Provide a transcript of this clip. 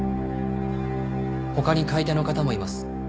他に買い手の方もいます。